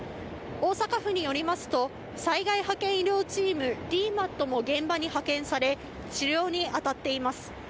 大阪府によりますと、災害派遣医療チーム・ＤＭＡＴも現場に派遣され、治療に当たっています。